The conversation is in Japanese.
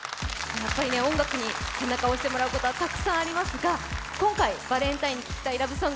やっぱり音楽に背中を押してもらうことはたくさんありますが、今回バレンタインデーに聴きたいラブソング